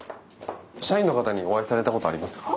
社員の方にお会いされたことはありますか？